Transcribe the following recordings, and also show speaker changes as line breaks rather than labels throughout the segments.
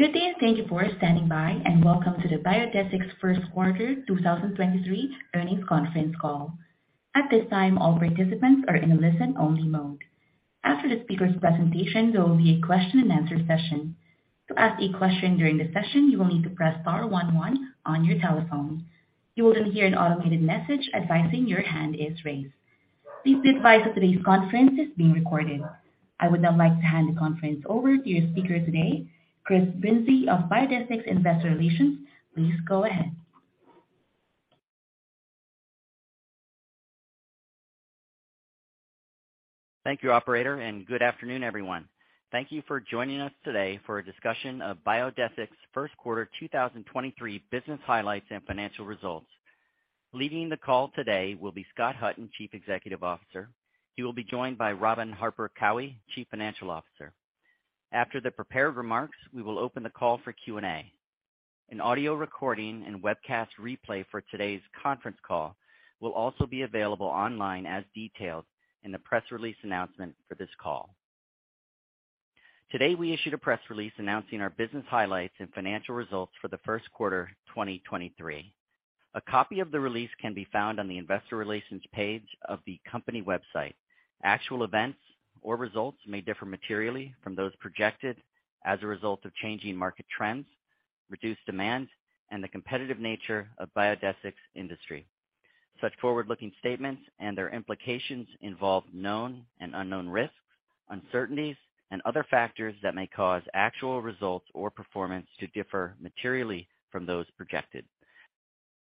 Good day, thank you for standing by, and welcome to the Biodesix first quarter 2023 earnings conference call. At this time, all participants are in a listen-only mode. After the speaker's presentation, there will be a question and answer session. To ask a question during the session, you will need to press star one one on your telephone. You will hear an automated message advising your hand is raised. Please be advised that today's conference is being recorded. I would now like to hand the conference over to your speaker today, Chris Brinzey of Biodesix Investor Relations. Please go ahead.
Thank you, operator. Good afternoon, everyone. Thank you for joining us today for a discussion of Biodesix first quarter 2023 business highlights and financial results. Leading the call today will be Scott Hutton, Chief Executive Officer. He will be joined by Robin Harper Cowie, Chief Financial Officer. After the prepared remarks, we will open the call for Q&A. An audio recording and webcast replay for today's conference call will also be available online as detailed in the press release announcement for this call. Today, we issued a press release announcing our business highlights and financial results for the first quarter 2023. A copy of the release can be found on the investor relations page of the company website. Actual events or results may differ materially from those projected as a result of changing market trends, reduced demand, and the competitive nature of Biodesix industry. Such forward-looking statements and their implications involve known and unknown risks, uncertainties, and other factors that may cause actual results or performance to differ materially from those projected.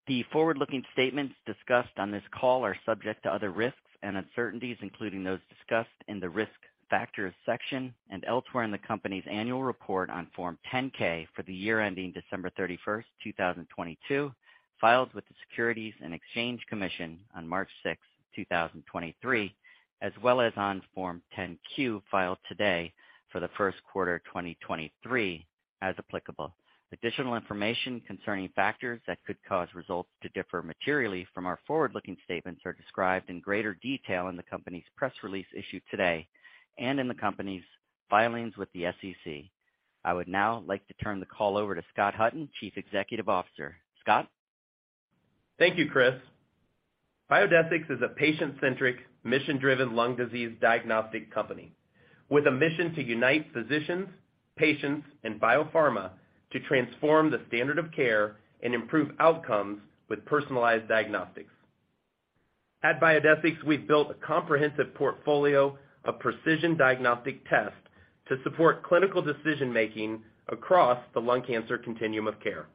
The forward-looking statements discussed on this call are subject to other risks and uncertainties, including those discussed in the Risk Factors section and elsewhere in the company's annual report on Form 10-K for the year ending December 31st, 2022, filed with the Securities and Exchange Commission on March 6th, 2023, as well as on Form 10-Q filed today for the first quarter 2023, as applicable. Additional information concerning factors that could cause results to differ materially from our forward-looking statements are described in greater detail in the company's press release issued today and in the company's filings with the SEC. I would now like to turn the call over to Scott Hutton, Chief Executive Officer. Scott?
Thank you, Chris. Biodesix is a patient-centric, mission-driven lung disease diagnostic company with a mission to unite physicians, patients, and biopharma to transform the standard of care and improve outcomes with personalized diagnostics. At Biodesix, we've built a comprehensive portfolio of precision diagnostic tests to support clinical decision-making across the lung cancer continuum of care.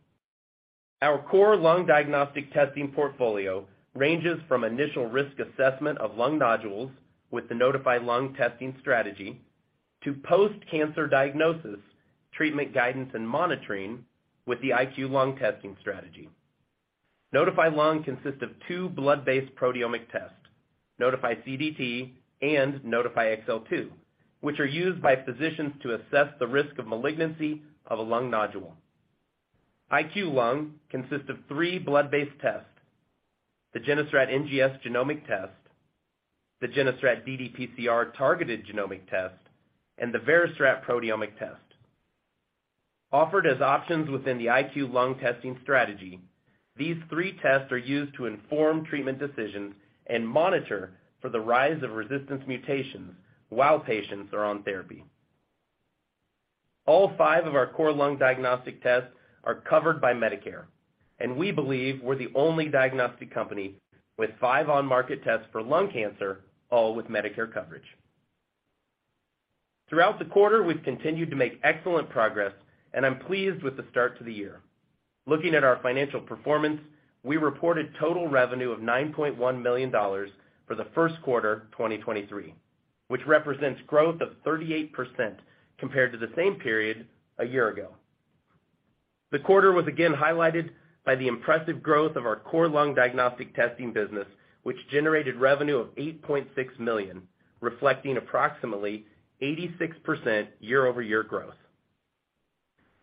Our core lung diagnostic testing portfolio ranges from initial risk assessment of lung nodules with the Nodify Lung testing strategy to post-cancer diagnosis, treatment guidance, and monitoring with the IQLung testing strategy. Nodify Lung consists of two blood-based proteomic tests, Nodify CDT and Nodify XL2, which are used by physicians to assess the risk of malignancy of a lung nodule. IQLung consists of three blood-based tests: the GeneStrat NGS genomic test, the GeneStrat ddPCR targeted genomic test, and the VeriStrat proteomic test. Offered as options within the IQLung testing strategy, these three tests are used to inform treatment decisions and monitor for the rise of resistance mutations while patients are on therapy. All five of our core lung diagnostic tests are covered by Medicare, and we believe we're the only diagnostic company with five on-market tests for lung cancer, all with Medicare coverage. Throughout the quarter, we've continued to make excellent progress, and I'm pleased with the start to the year. Looking at our financial performance, we reported total revenue of $9.1 million for the first quarter 2023, which represents growth of 38% compared to the same period a year ago. The quarter was again highlighted by the impressive growth of our core lung diagnostic testing business, which generated revenue of $8.6 million, reflecting approximately 86% year-over-year growth.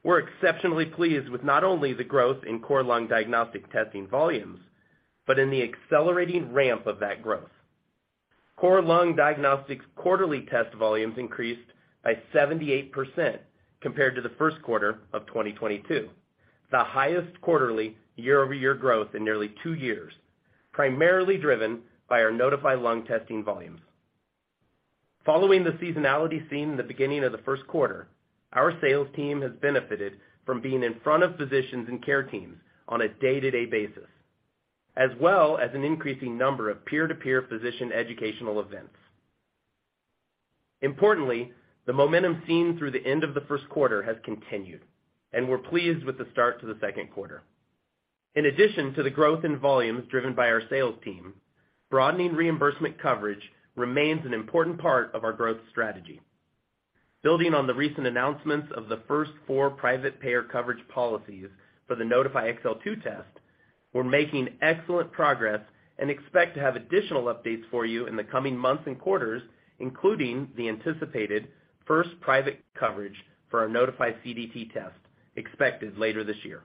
We're exceptionally pleased with not only the growth in core lung diagnostic testing volumes, but in the accelerating ramp of that growth. Core lung diagnostics quarterly test volumes increased by 78% compared to the first quarter of 2022, the highest quarterly year-over-year growth in nearly two years, primarily driven by our Nodify Lung testing volumes. Following the seasonality seen in the beginning of the first quarter, our sales team has benefited from being in front of physicians and care teams on a day-to-day basis, as well as an increasing number of peer-to-peer physician educational events. Importantly, the momentum seen through the end of the first quarter has continued. We're pleased with the start to the second quarter. In addition to the growth in volumes driven by our sales team, broadening reimbursement coverage remains an important part of our growth strategy. Building on the recent announcements of the first four private payer coverage policies for the Nodify XL2 test, we're making excellent progress and expect to have additional updates for you in the coming months and quarters, including the anticipated first private coverage for our Nodify CDT test expected later this year.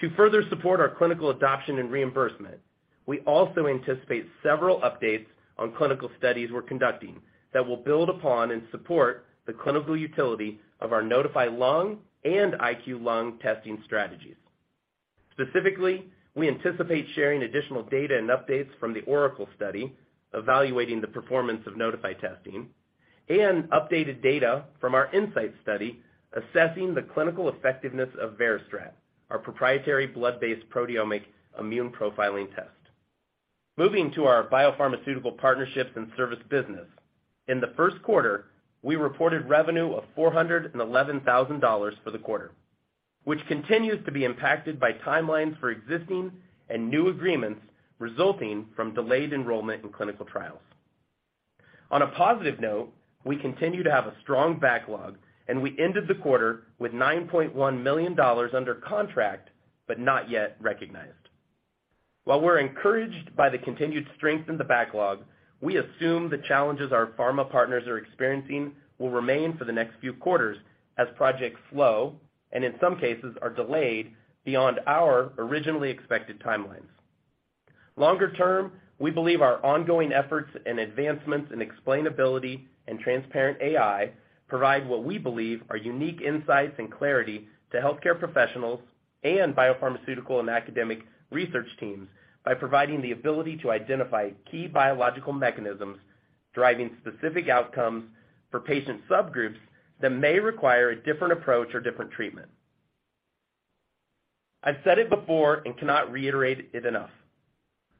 To further support our clinical adoption and reimbursement, we also anticipate several updates on clinical studies we're conducting that will build upon and support the clinical utility of our Nodify Lung and IQLung testing strategies. Specifically, we anticipate sharing additional data and updates from the ORACLE study evaluating the performance of Nodify testing and updated data from our INSIGHT study assessing the clinical effectiveness of VeriStrat, our proprietary blood-based proteomic immune profiling test. Moving to our biopharmaceutical partnerships and service business. In the first quarter, we reported revenue of $411,000 for the quarter, which continues to be impacted by timelines for existing and new agreements resulting from delayed enrollment in clinical trials. On a positive note, we continue to have a strong backlog, and we ended the quarter with $9.1 million under contract, but not yet recognized. While we're encouraged by the continued strength in the backlog, we assume the challenges our pharma partners are experiencing will remain for the next few quarters as projects slow and in some cases are delayed beyond our originally expected timelines. Longer term, we believe our ongoing efforts and advancements in explainability and transparent AI provide what we believe are unique insights and clarity to healthcare professionals and biopharmaceutical and academic research teams by providing the ability to identify key biological mechanisms driving specific outcomes for patient subgroups that may require a different approach or different treatment. I've said it before and cannot reiterate it enough.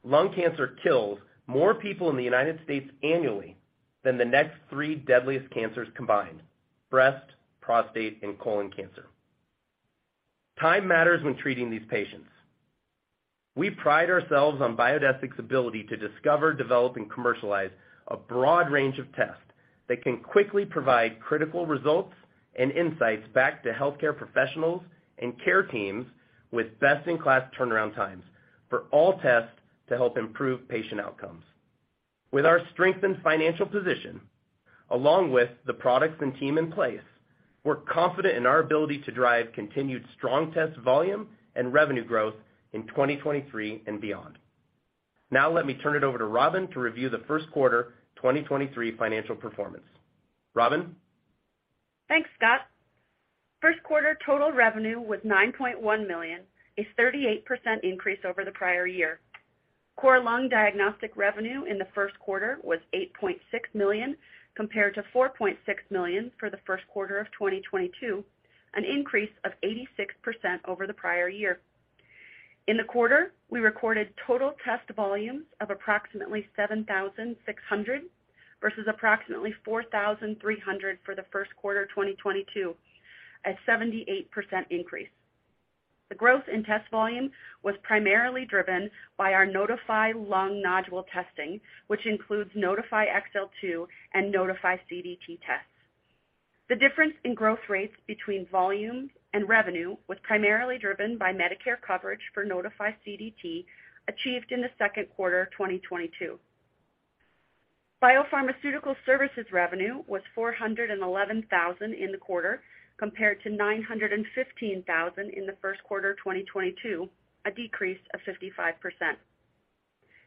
Lung cancer kills more people in the United States annually than the next three deadliest cancers combined: breast, prostate, and colon cancer. Time matters when treating these patients. We pride ourselves on Biodesix's ability to discover, develop, and commercialize a broad range of tests that can quickly provide critical results and insights back to healthcare professionals and care teams with best-in-class turnaround times for all tests to help improve patient outcomes. With our strengthened financial position, along with the products and team in place, we're confident in our ability to drive continued strong test volume and revenue growth in 2023 and beyond. Let me turn it over to Robin to review the first quarter 2023 financial performance. Robin?
Thanks, Scott. First quarter total revenue was $9.1 million, a 38% increase over the prior year. Core lung diagnostic revenue in the first quarter was $8.6 million, compared to $4.6 million for the first quarter of 2022, an 86% increase over the prior year. In the quarter, we recorded total test volumes of approximately 7,600 versus approximately 4,300 for the first quarter of 2022, a 78% increase. The growth in test volume was primarily driven by our Nodify lung nodule testing, which includes Nodify XL2 and Nodify CDT tests. The difference in growth rates between volume and revenue was primarily driven by Medicare coverage for Nodify CDT achieved in the second quarter of 2022. Biopharmaceutical services revenue was $411,000 in the quarter, compared to $915,000 in the first quarter of 2022, a decrease of 55%.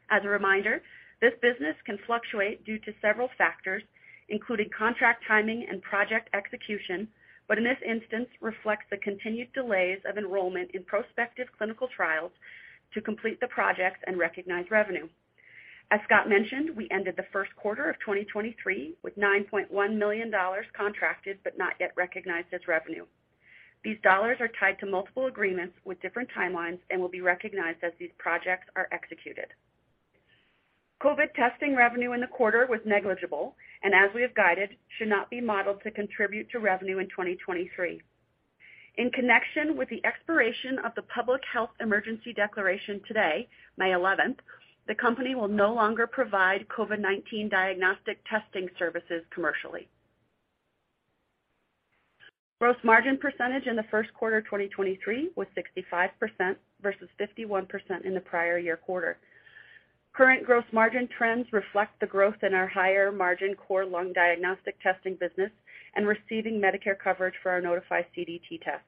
As a reminder, this business can fluctuate due to several factors, including contract timing and project execution, but in this instance reflects the continued delays of enrollment in prospective clinical trials to complete the projects and recognize revenue. As Scott mentioned, we ended the first quarter of 2023 with $9.1 million contracted but not yet recognized as revenue. These dollars are tied to multiple agreements with different timelines and will be recognized as these projects are executed. COVID testing revenue in the quarter was negligible, and as we have guided, should not be modeled to contribute to revenue in 2023. In connection with the expiration of the Public Health Emergency Declaration today, May 11th, the company will no longer provide COVID-19 diagnostic testing services commercially. Gross margin percentage in the first quarter of 2023 was 65% versus 51% in the prior year quarter. Current gross margin trends reflect the growth in our higher-margin core lung diagnostic testing business and receiving Medicare coverage for our Nodify CDT test.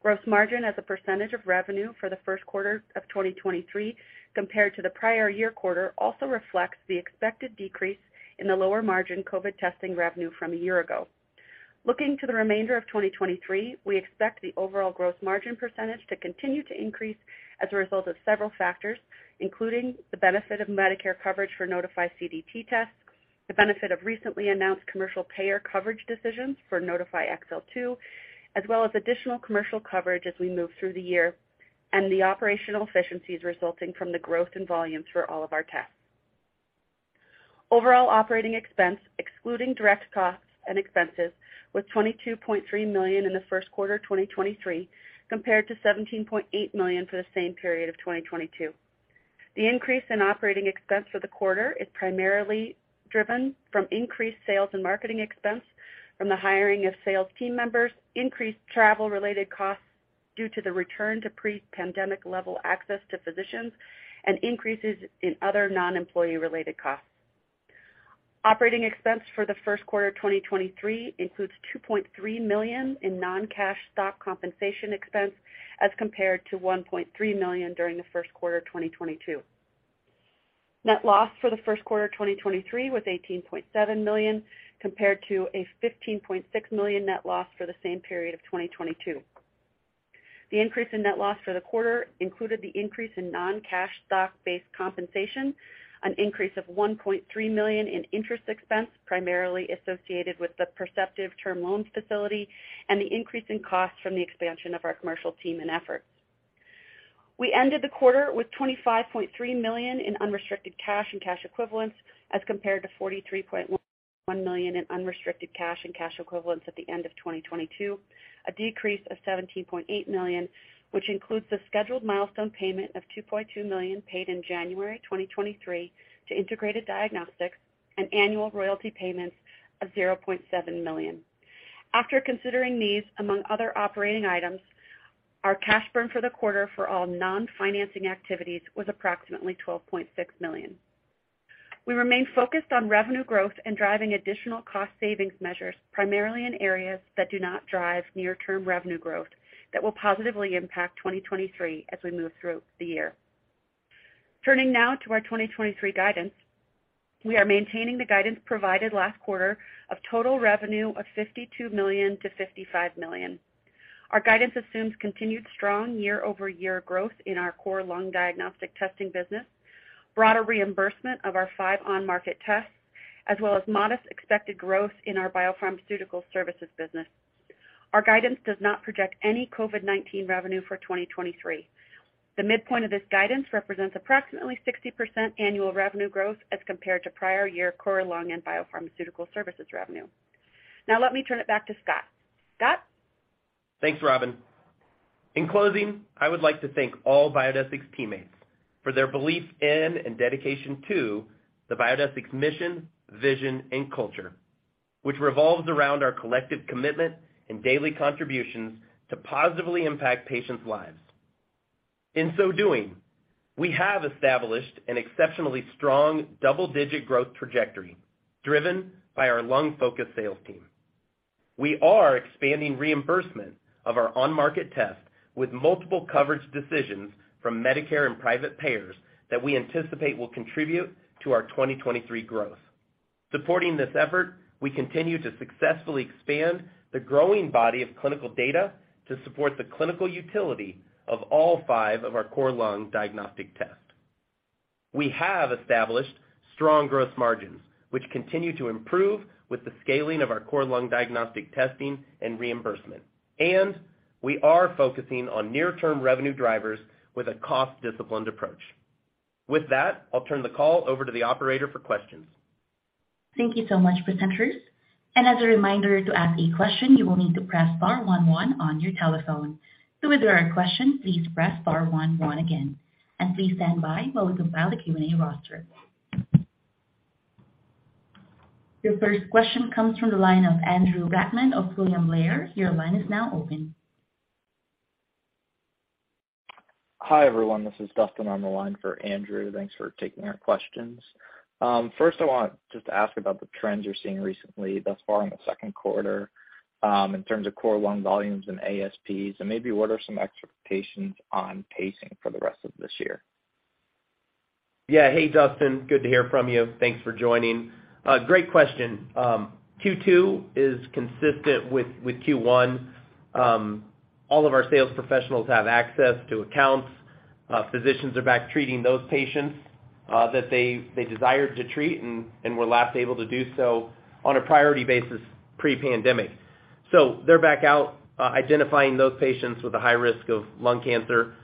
Gross margin as a percentage of revenue for the first quarter of 2023 compared to the prior year quarter also reflects the expected decrease in the lower-margin COVID testing revenue from a year ago. Looking to the remainder of 2023, we expect the overall gross margin percentage to continue to increase as a result of several factors, including the benefit of Medicare coverage for Nodify CDT tests, the benefit of recently announced commercial payer coverage decisions for Nodify XL2, as well as additional commercial coverage as we move through the year, and the operational efficiencies resulting from the growth in volumes for all of our tests. Overall operating expense, excluding direct costs and expenses, was $22.3 million in the first quarter of 2023, compared to $17.8 million for the same period of 2022. The increase in operating expense for the quarter is primarily driven from increased sales and marketing expense from the hiring of sales team members, increased travel-related costs due to the return to pre-pandemic level access to physicians, and increases in other non-employee-related costs. Operating expense for the first quarter 2023 includes $2.3 million in non-cash stock compensation expense as compared to $1.3 million during the first quarter 2022. Net loss for the first quarter 2023 was $18.7 million, compared to a $15.6 million net loss for the same period of 2022. The increase in net loss for the quarter included the increase in non-cash stock-based compensation, an increase of $1.3 million in interest expense, primarily associated with the Perceptive term loans facility, and the increase in costs from the expansion of our commercial team and efforts. We ended the quarter with $25.3 million in unrestricted cash and cash equivalents as compared to $43.1 million in unrestricted cash and cash equivalents at the end of 2022, a decrease of $17.8 million, which includes the scheduled milestone payment of $2.2 million paid in January 2023 to Integrated Diagnostics and annual royalty payments of $0.7 million. After considering these, among other operating items, our cash burn for the quarter for all non-financing activities was approximately $12.6 million. We remain focused on revenue growth and driving additional cost savings measures, primarily in areas that do not drive near-term revenue growth that will positively impact 2023 as we move through the year. Now to our 2023 guidance. We are maintaining the guidance provided last quarter of total revenue of $52 million-$55 million. Our guidance assumes continued strong year-over-year growth in our core lung diagnostic testing business, broader reimbursement of our five on-market tests, as well as modest expected growth in our biopharmaceutical services business. Our guidance does not project any COVID-19 revenue for 2023. The midpoint of this guidance represents approximately 60% annual revenue growth as compared to prior year core lung and biopharmaceutical services revenue. Let me turn it back to Scott. Scott?
Thanks, Robin. In closing, I would like to thank all Biodesix teammates for their belief in and dedication to the Biodesix mission, vision, and culture, which revolves around our collective commitment and daily contributions to positively impact patients' lives. In so doing, we have established an exceptionally strong double-digit growth trajectory driven by our lung-focused sales team. We are expanding reimbursement of our on-market test with multiple coverage decisions from Medicare and private payers that we anticipate will contribute to our 2023 growth. Supporting this effort, we continue to successfully expand the growing body of clinical data to support the clinical utility of all five of our core lung diagnostic tests. We have established strong growth margins, which continue to improve with the scaling of our core lung diagnostic testing and reimbursement. We are focusing on near-term revenue drivers with a cost-disciplined approach. With that, I'll turn the call over to the operator for questions.
Thank you so much, presenters. As a reminder, to ask a question, you will need to press bar one one on your telephone. If there are questions, please press bar one one again, and please stand by while we compile the Q&A roster. Your first question comes from the line of Andrew Brackmann of William Blair. Your line is now open.
Hi, everyone. This is Dustin. I'm on the line for Andrew. Thanks for taking our questions. First I want just to ask about the trends you're seeing recently thus far in the second quarter, in terms of core lung volumes and ASPs, and maybe what are some expectations on pacing for the rest of this year?
Yeah. Hey, Dustin. Good to hear from you. Thanks for joining. Great question. Q2 is consistent with Q1. All of our sales professionals have access to accounts. Physicians are back treating those patients that they desired to treat and were last able to do so on a priority basis pre-pandemic. They're back out identifying those patients with a high risk of lung cancer.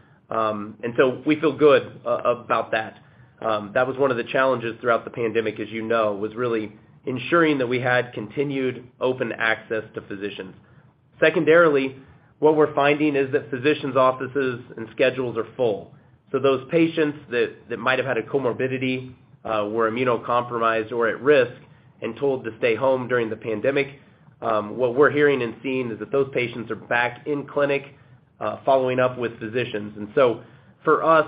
We feel good about that. That was one of the challenges throughout the pandemic, as you know, was really ensuring that we had continued open access to physicians. Secondarily, what we're finding is that physicians' offices and schedules are full. Those patients that might have had a comorbidity, were immunocompromised or at risk and told to stay home during the pandemic, what we're hearing and seeing is that those patients are back in clinic, following up with physicians. For us,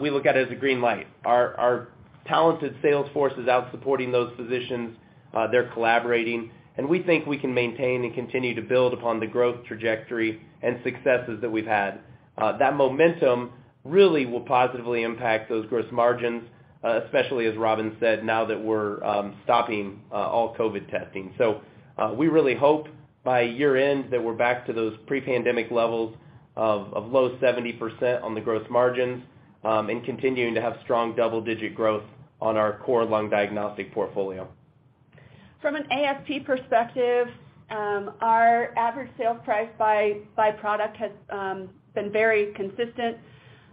we look at it as a green light. Our talented sales force is out supporting those physicians, they're collaborating, and we think we can maintain and continue to build upon the growth trajectory and successes that we've had. That momentum really will positively impact those gross margins, especially as Robin said, now that we're stopping all COVID testing. We really hope by year-end that we're back to those pre-pandemic levels of low 70% on the growth margins, and continuing to have strong double-digit growth on our core lung diagnostic portfolio.
From an ASP perspective, our average sales price by product has been very consistent.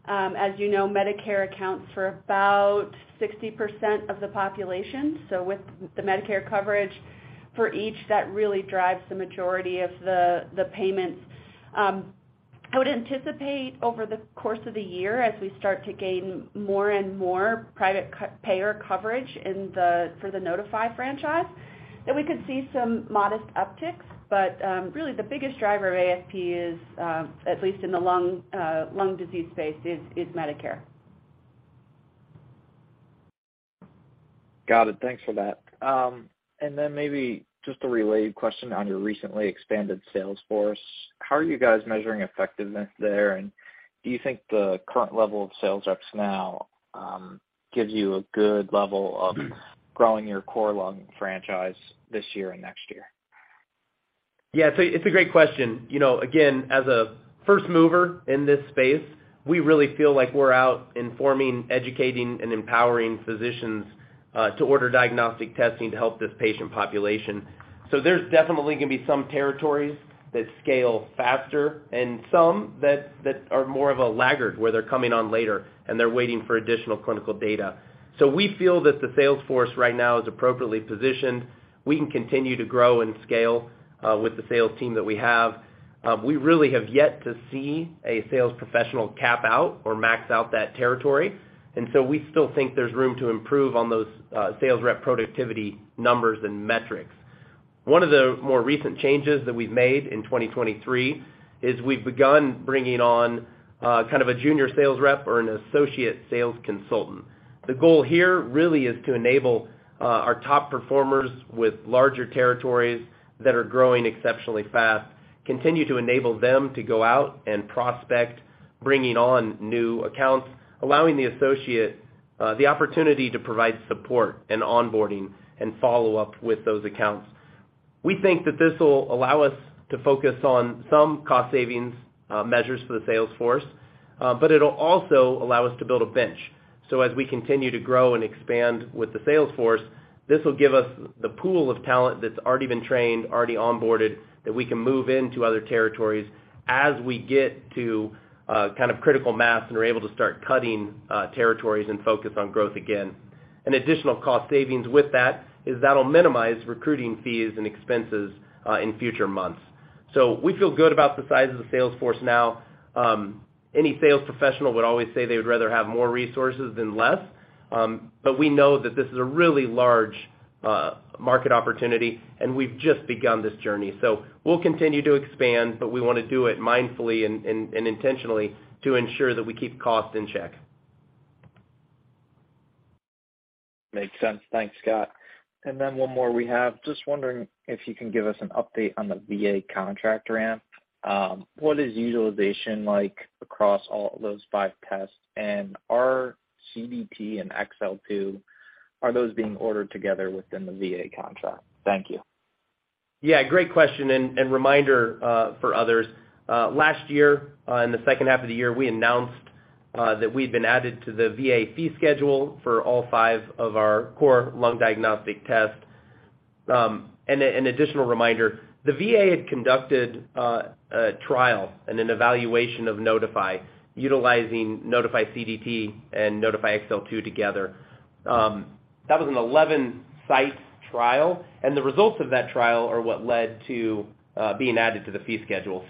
As you know, Medicare accounts for about 60% of the population. With the Medicare coverage for each, that really drives the majority of the payments. I would anticipate over the course of the year as we start to gain more and more private payer coverage for the Nodify franchise
That we could see some modest upticks, but really the biggest driver of ASP is, at least in the lung disease space, is Medicare.
Got it. Thanks for that. Maybe just a related question on your recently expanded sales force. How are you guys measuring effectiveness there? Do you think the current level of sales reps now, gives you a good level of growing your core lung franchise this year and next year?
Yeah. It's a, it's a great question. You know, again, as a first mover in this space, we really feel like we're out informing, educating, and empowering physicians, to order diagnostic testing to help this patient population. There's definitely gonna be some territories that scale faster and some that are more of a laggard, where they're coming on later, and they're waiting for additional clinical data. We feel that the sales force right now is appropriately positioned. We can continue to grow and scale, with the sales team that we have. We really have yet to see a sales professional cap out or max out that territory. We still think there's room to improve on those, sales rep productivity numbers and metrics. One of the more recent changes that we've made in 2023 is we've begun bringing on kind of a junior sales rep or an associate sales consultant. The goal here really is to enable our top performers with larger territories that are growing exceptionally fast, continue to enable them to go out and prospect, bringing on new accounts, allowing the associate the opportunity to provide support and onboarding and follow-up with those accounts. We think that this will allow us to focus on some cost savings measures for the sales force. It'll also allow us to build a bench. As we continue to grow and expand with the sales force, this will give us the pool of talent that's already been trained, already onboarded, that we can move into other territories as we get to, kind of critical mass and are able to start cutting, territories and focus on growth again. An additional cost savings with that is that'll minimize recruiting fees and expenses in future months. We feel good about the size of the sales force now. Any sales professional would always say they would rather have more resources than less. We know that this is a really large, market opportunity, and we've just begun this journey. We'll continue to expand, but we wanna do it mindfully and intentionally to ensure that we keep costs in check.
Makes sense. Thanks, Scott. One more we have. Just wondering if you can give us an update on the VA contract ramp. What is utilization like across all those five tests? Are CDT and XL2, are those being ordered together within the VA contract? Thank you.
Yeah, great question and reminder for others. Last year, in the second half of the year, we announced that we'd been added to the VA fee schedule for all five of our core lung diagnostic tests. And an additional reminder, the VA had conducted a trial and an evaluation of Nodify, utilizing Nodify CDT and Nodify XL2 together. That was an 11-site trial, and the results of that trial are what led to being added to the fee schedule.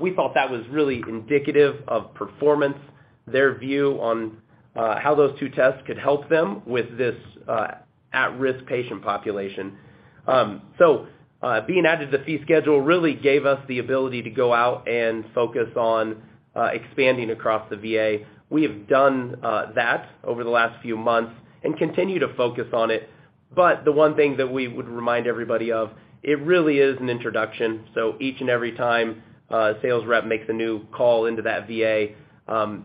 We thought that was really indicative of performance, their view on how those two tests could help them with this at-risk patient population. Being added to the fee schedule really gave us the ability to go out and focus on expanding across the VA. We have done that over the last few months and continue to focus on it. The one thing that we would remind everybody of, it really is an introduction, so each and every time a sales rep makes a new call into that VA,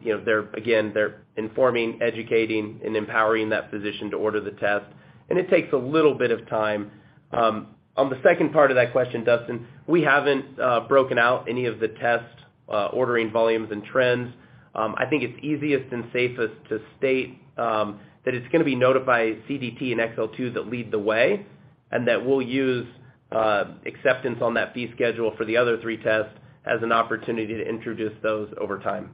you know, they're, again, they're informing, educating, and empowering that physician to order the test, and it takes a little bit of time. On the second part of that question, Dustin, we haven't broken out any of the test ordering volumes and trends. I think it's easiest and safest to state that it's gonna be Nodify CDT and XL2 that lead the way, and that we'll use acceptance on that fee schedule for the other three tests as an opportunity to introduce those over time.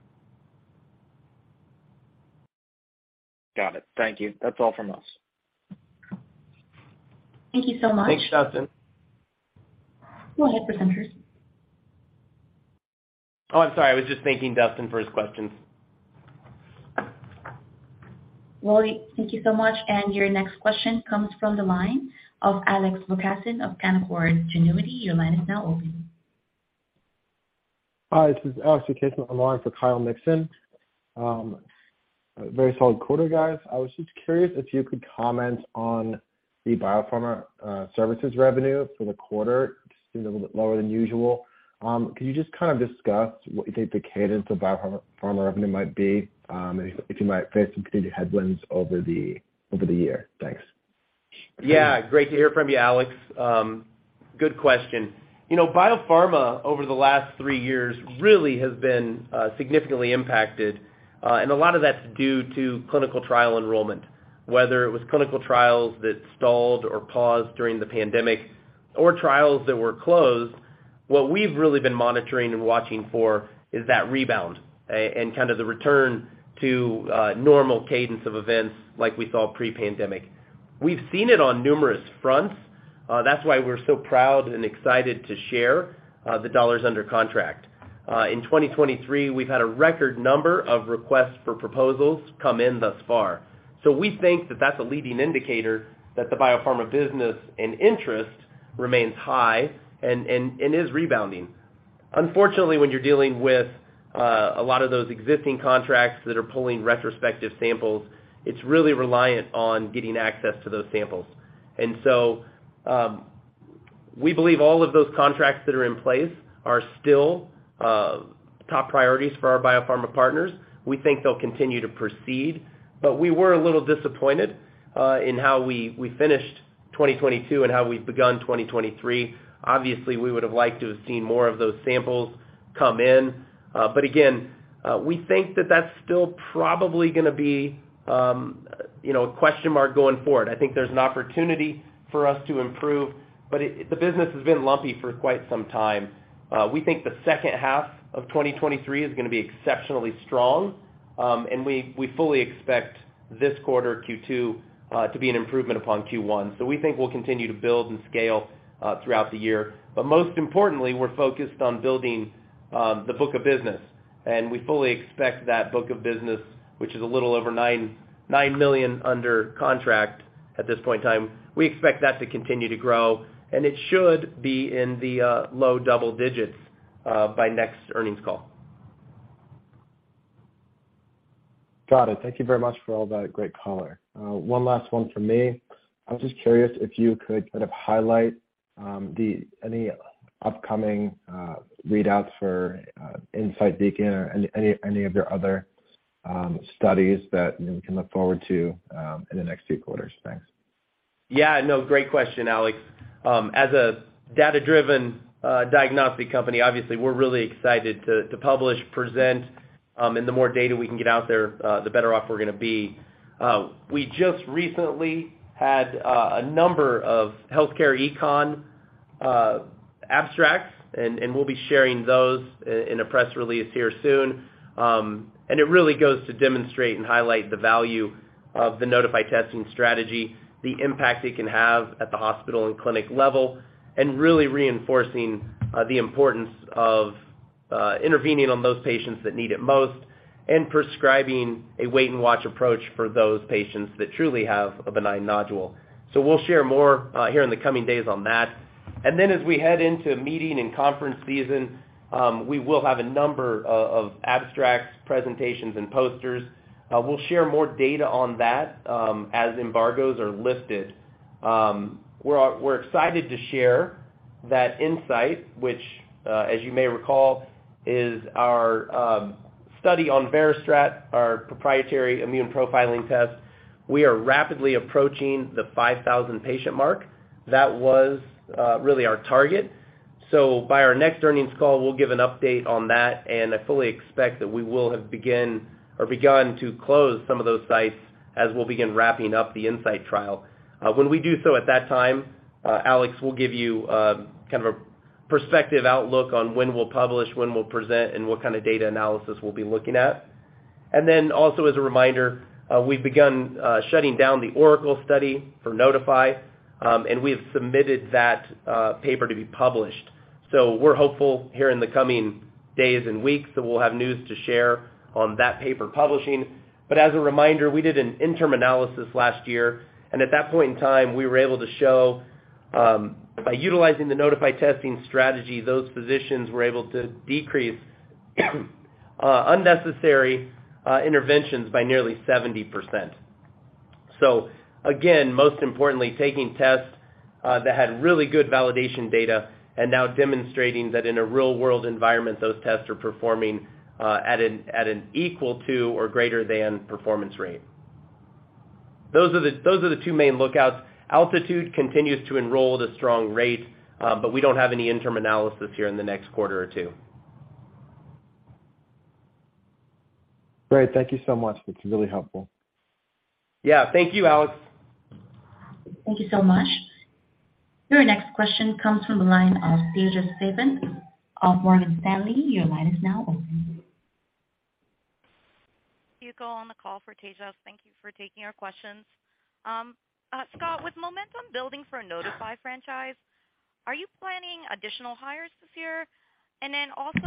Got it. Thank you. That's all from us.
Thank you so much.
Thanks, Dustin.
Go ahead, presenters.
I'm sorry. I was just thanking Dustin for his questions.
Well, thank you so much. Your next question comes from the line of Alex Vukasin of Canaccord Genuity. Your line is now open.
Hi, this is Alex Vukasin on the line for Kyle Mikson. A very solid quarter, guys. I was just curious if you could comment on the biopharma services revenue for the quarter. Just seemed a little bit lower than usual. Could you just kind of discuss what you think the cadence of biopharma revenue might be, and if you might face some continued headwinds over the year? Thanks.
Yeah. Great to hear from you, Kyle Mikson. Good question. You know, biopharma, over the last three years, really has been significantly impacted, and a lot of that's due to clinical trial enrollment. Whether it was clinical trials that stalled or paused during the pandemic or trials that were closed, what we've really been monitoring and watching for is that rebound and kind of the return to normal cadence of events like we saw pre-pandemic. We've seen it on numerous fronts. That's why we're so proud and excited to share the dollars under contract. In 2023, we've had a record number of requests for proposals come in thus far. We think that that's a leading indicator that the biopharma business and interest remains high and is rebounding. Unfortunately, when you're dealing with a lot of those existing contracts that are pulling retrospective samples, it's really reliant on getting access to those samples. We believe all of those contracts that are in place are still top priorities for our biopharma partners. We think they'll continue to proceed. We were a little disappointed in how we finished 2022 and how we've begun 2023. Obviously, we would've liked to have seen more of those samples come in. Again, we think that that's still probably gonna be, you know, a question mark going forward. I think there's an opportunity for us to improve, but the business has been lumpy for quite some time. We think the second half of 2023 is gonna be exceptionally strong. We fully expect this quarter, Q2, to be an improvement upon Q1. We think we'll continue to build and scale throughout the year. Most importantly, we're focused on building the book of business, and we fully expect that book of business, which is a little over $9 million under contract at this point in time, we expect that to continue to grow, and it should be in the low double digits by next earnings call.
Got it. Thank you very much for all that great color. One last one from me. I was just curious if you could sort of highlight any upcoming readouts for INSIGHT BEACON-LUNG or any of your other studies that we can look forward to in the next few quarters. Thanks.
Yeah. No, great question, Kyle. As a data-driven diagnostic company, obviously, we're really excited to publish, present, and the more data we can get out there, the better off we're gonna be. We just recently had a number of healthcare econ abstracts, and we'll be sharing those in a press release here soon. And it really goes to demonstrate and highlight the value of the Nodify testing strategy, the impact it can have at the hospital and clinic level, and really reinforcing the importance of intervening on those patients that need it most and prescribing a wait-and-watch approach for those patients that truly have a benign nodule. We'll share more here in the coming days on that. As we head into meeting and conference season, we will have a number of abstracts, presentations, and posters. We'll share more data on that as embargoes are lifted. We're excited to share that INSIGHT which, as you may recall, is our study on VeriStrat, our proprietary immune profiling test. We are rapidly approaching the 5,000 patient mark. That was really our target. By our next earnings call, we'll give an update on that, and I fully expect that we will have begin or begun to close some of those sites as we'll begin wrapping up the INSIGHT trial. When we do so at that time, Kyle Mikson, we'll give you kind of a perspective outlook on when we'll publish, when we'll present, and what kind of data analysis we'll be looking at. Also as a reminder, we've begun shutting down the ORACLE study for Nodify, and we have submitted that paper to be published. We're hopeful here in the coming days and weeks that we'll have news to share on that paper publishing. As a reminder, we did an interim analysis last year, and at that point in time, we were able to show, by utilizing the Nodify testing strategy, those physicians were able to decrease unnecessary interventions by nearly 70%. Again, most importantly, taking tests that had really good validation data and now demonstrating that in a real-world environment, those tests are performing at an equal to or greater than performance rate. Those are the two main lookouts. ALTITUDE continues to enroll at a strong rate, but we don't have any interim analysis here in the next quarter or two.
Great. Thank you so much. That's really helpful.
Yeah. Thank you, Alex.
Thank you so much. Your next question comes from the line of Tejas Savant of Morgan Stanley. Your line is now open.
Yuko on the call for Tejas. Thank you for taking our questions. Scott, with momentum building for Nodify franchise, are you planning additional hires this year?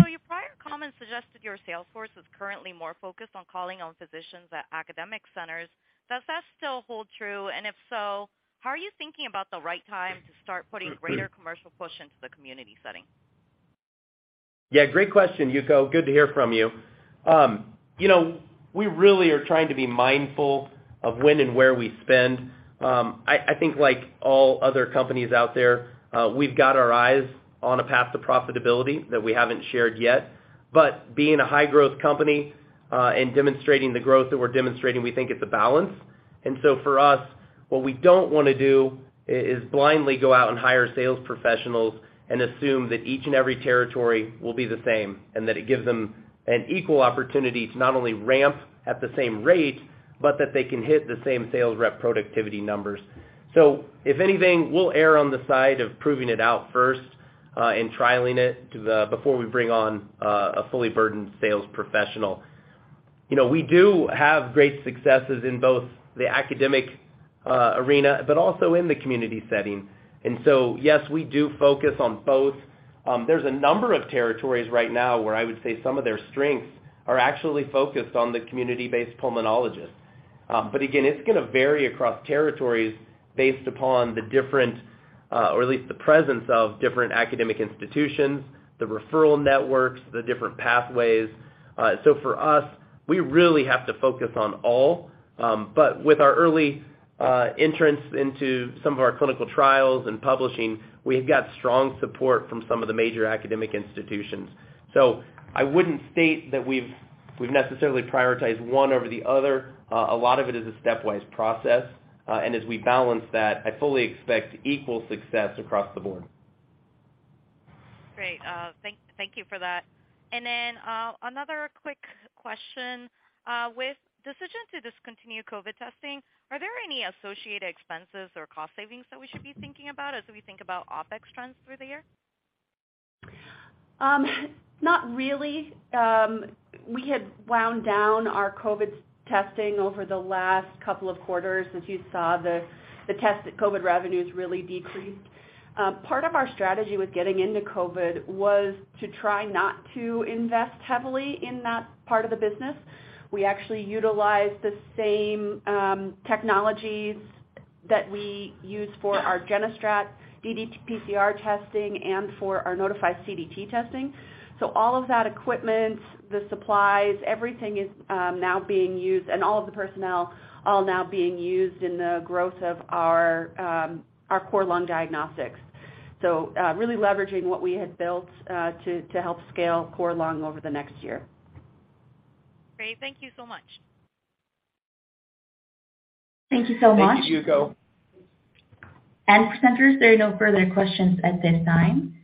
Your prior comments suggested your sales force is currently more focused on calling on physicians at academic centers. Does that still hold true? If so, how are you thinking about the right time to start putting greater commercial push into the community setting?
Yeah, great question, Yuko. Good to hear from you. you know, we really are trying to be mindful of when and where we spend. I think like all other companies out there, we've got our eyes on a path to profitability that we haven't shared yet. Being a high-growth company, and demonstrating the growth that we're demonstrating, we think it's a balance. For us, what we don't wanna do is blindly go out and hire sales professionals and assume that each and every territory will be the same, and that it gives them an equal opportunity to not only ramp at the same rate, but that they can hit the same sales rep productivity numbers. If anything, we'll err on the side of proving it out first, and trialing it before we bring on a fully burdened sales professional. You know, we do have great successes in both the academic arena but also in the community setting. Yes, we do focus on both. There's a number of territories right now where I would say some of their strengths are actually focused on the community-based pulmonologist. Again, it's gonna vary across territories based upon the different, or at least the presence of different academic institutions, the referral networks, the different pathways. For us, we really have to focus on all. With our early entrance into some of our clinical trials and publishing, we've got strong support from some of the major academic institutions. I wouldn't state that we've necessarily prioritized one over the other. A lot of it is a stepwise process. As we balance that, I fully expect equal success across the board.
Great. thank you for that. another quick question. with decision to discontinue COVID testing, are there any associated expenses or cost savings that we should be thinking about as we think about OpEx trends through the year?
Not really. We had wound down our COVID testing over the last couple of quarters. As you saw, the COVID revenues really decreased. Part of our strategy with getting into COVID was to try not to invest heavily in that part of the business. We actually utilized the same technologies that we use for our GeneStrat ddPCR testing and for our Nodify CDT testing. All of that equipment, the supplies, everything is now being used and all of the personnel all now being used in the growth of our core lung diagnostics. Really leveraging what we had built to help scale core lung over the next year.
Great. Thank you so much.
Thank you so much.
Thank you, Yuko.
Presenters, there are no further questions at this time.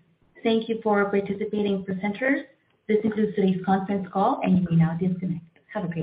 Thank you for participating, presenters. This concludes today's conference call, and you may now disconnect. Have a great day.